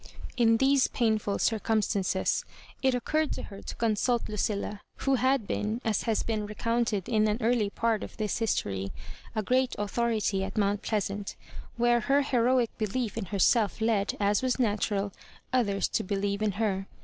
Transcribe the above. In these painful circumstances, it occurred to her to consult Lu cilia, who had been, as has been recounted in an early part of this history, a great authority at Mount Pleasant, where her heroic belief in her self led, as was natural, others to believe in her.